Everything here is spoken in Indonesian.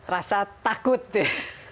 rasa takut deh